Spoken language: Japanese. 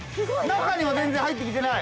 ◆中には全然入ってきてない？